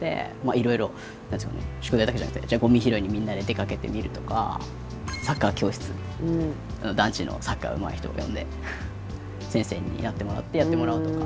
いろいろ宿題だけじゃなくてじゃあごみ拾いにみんなで出かけてみるとかサッカー教室団地のサッカーうまい人を呼んで先生になってもらってやってもらうとか。